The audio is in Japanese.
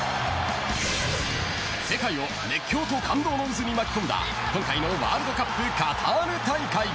世界を熱狂と感動の渦に巻き込んだ今回のワールドカップカタール大会。